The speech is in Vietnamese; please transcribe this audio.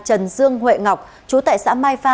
trần dương huệ ngọc chú tại xã mai pha